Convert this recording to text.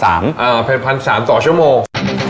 อ่า๑๓๐๐บาทต่อ๑ชั่วโมง